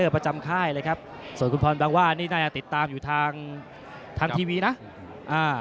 ประจำค่ายเลยครับส่วนคุณพรบางว่านี่น่าจะติดตามอยู่ทางทางทีวีนะอ่า